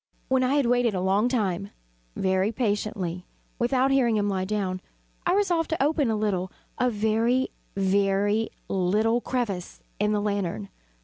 When I had waited a long time, very patiently, without hearing him lie down, I resolved to open a little a very, very little crevice in the lantern.